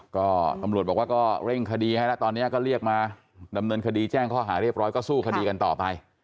ก็ตำรวจบอกว่าก็เร่งคดีให้แล้วตอนนี้ก็เรียกมาดำเนินคดีแจ้งข้อหาเรียบร้อยก็สู้คดีกันต่อไป